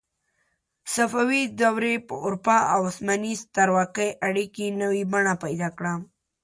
صفوي دورې په اروپا او عثماني سترواکۍ اړیکې نوې بڼه پیدا کړه.